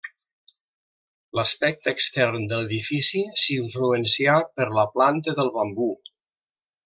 L'aspecte extern de l'edifici s'influencià per la planta del bambú.